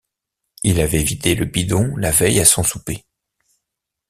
Il avait vidé le bidon la veille à son souper.